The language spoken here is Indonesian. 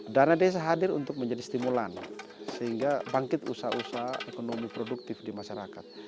dana desa hadir untuk menjadi stimulan sehingga bangkit usaha usaha ekonomi produktif di masyarakat